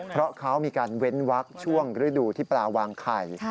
เพราะเขามีการเว้นวักช่วงฤดูที่ปลาวางไข่